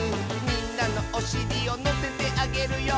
「みんなのおしりをのせてあげるよ」